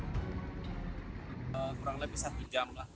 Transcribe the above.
kurang lebih satu jam lah